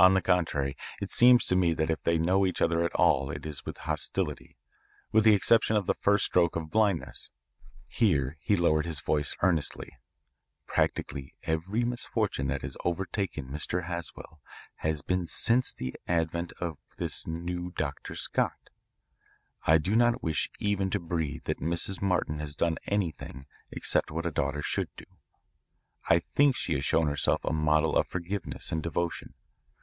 "On the contrary, it seems to me that if they know each other at all it is with hostility. With the exception of the first stroke of blindness" here he lowered his voice earnestly "practically every misfortune that has overtaken Mr. Haswell has been since the advent of this new Dr. Scott. Mind, I do not wish even to breathe that Mrs. Martin has done anything except what a daughter should do. I think she has shown herself a model of forgiveness and devotion.